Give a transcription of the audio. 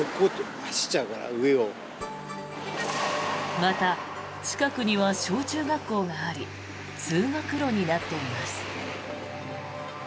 また、近くには小中学校があり通学路になっています。